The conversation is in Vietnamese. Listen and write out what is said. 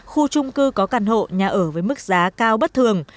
khu trung cư có căn hộ nhà ở với mức giá cao bất thường